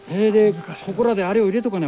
ここらであれを入れとかにゃ